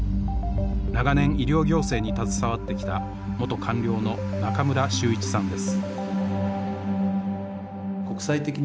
長年医療行政に携わってきた元官僚の中村秀一さんです。